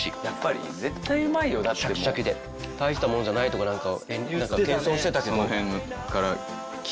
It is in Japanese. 大したものじゃないとか何か謙遜してたけど。